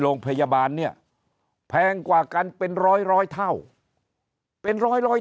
โรงพยาบาลเนี่ยแพงกว่ากันเป็นร้อยเท่าเป็นร้อย